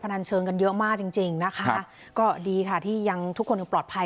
นันเชิงกันเยอะมากจริงจริงนะคะก็ดีค่ะที่ยังทุกคนยังปลอดภัย